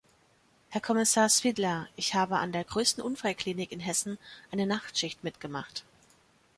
Herr Kommissar Špidla, ich habe an der größten Unfallklinik in Hessen eine Nachtschicht mitgemacht.